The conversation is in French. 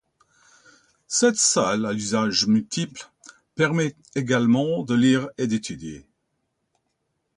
Cette salle, à usage multiple, permet également de lire et d'étudier.